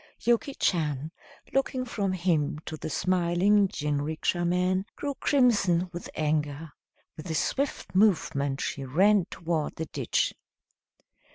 Yuki Chan, looking from him to the smiling jinrikisha man, grew crimson with anger. With a swift movement she ran toward the ditch.